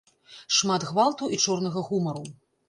Шмат гвалту і чорнага гумару.